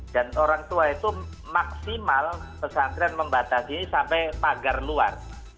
dan orang tua itu maksimal pesantren membatasi sampai pagar luar